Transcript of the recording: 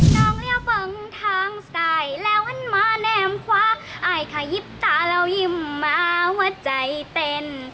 น้องเลียวเปิงทางสายแล้ววนมาแน่มคว้าอายค้ายกลิบตาเรายิ่มมาหัวใจเต้น